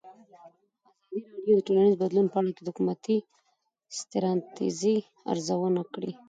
ازادي راډیو د ټولنیز بدلون په اړه د حکومتي ستراتیژۍ ارزونه کړې.